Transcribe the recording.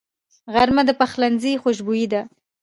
غرمه د پخلنځي خوشبويي ده